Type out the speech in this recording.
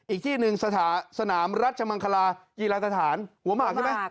อีกที่หนึ่งสนามรัชมังคลากีฬาสถานหัวหมากใช่ไหม